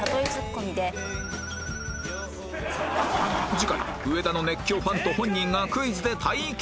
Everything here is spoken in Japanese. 次回上田の熱狂ファンと本人がクイズで対決